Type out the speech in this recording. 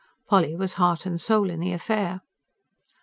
Polly was heart and soul in the affair.